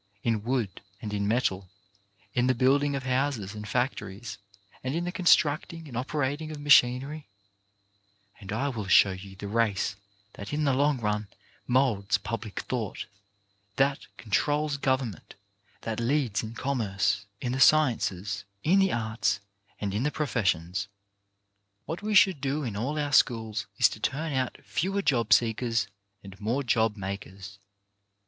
in wood and in metal, in the building of houses and factories, and in the constructing and operating of machinery, and I will show you the race that in the long run moulds public thought, that controls government, that leads in commerce, in the sciences, in the arts and in the professions. What we should do in all our schools is to turn out fewer job seekers and more job makers.